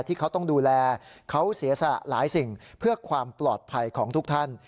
ที่เขาต้องดูแลเขาเสียสละหลายสิ่งเพื่อความปลอดภัยของทุกท่าน